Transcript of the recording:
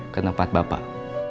ke tempat bapak